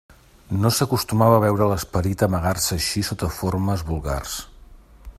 No s'acostumava a veure l'esperit amagar-se així sota formes vulgars.